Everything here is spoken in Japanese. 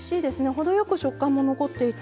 程よく食感も残っていて。